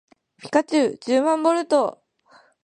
ピカチュウじゅうまんボルト